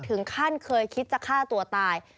ถึงขั้นเคยคิดจะฆ่าตัวตาย